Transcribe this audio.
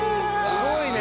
すごいね！